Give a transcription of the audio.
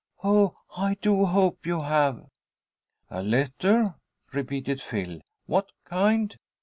Oh, I do hope you have!" "A letter," repeated Phil. "What kind?"